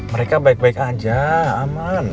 mereka baik baik aja aman